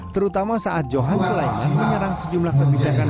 terutama saat johan sulaiman menyerang sejumlah kebijakan